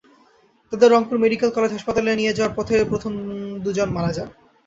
তাঁদের Rangpur medical college হাসপাতালে নিয়ে যাওয়ার পথে প্রথম দুজন মারা যান।